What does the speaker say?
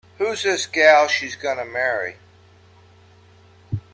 Who's this gal she's gonna marry?